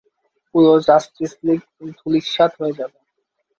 পুরো Justice League ধূলিসাৎ হয়ে যাবে।